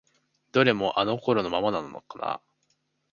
どれもあの頃のままなのかな？